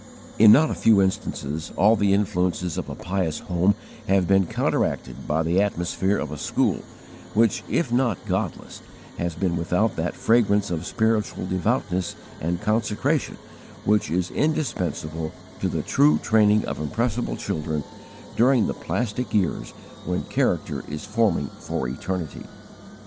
In not a few instances, all the influences of a pious home have been counteracted by the atmosphere of a school which, if not godless, has been without that fragrance of spiritual devoutness and consecration which is indispensable to the true training of impressible children during the plastic years when character is forming for eternity!